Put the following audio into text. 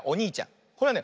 これはね